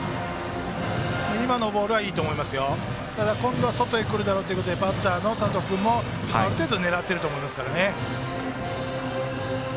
今のボールはいいと思いますがただ今度は外へ来るだろうということでバッターの佐藤君もある程度狙っていると思います。